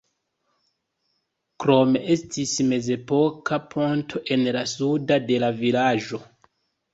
Krome estis mezepoka ponto en la sudo de la vilaĝo.